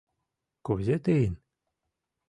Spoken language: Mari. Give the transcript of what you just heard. Кузе тыйын!